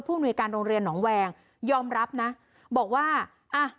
อำนวยการโรงเรียนหนองแวงยอมรับนะบอกว่าอ่ะ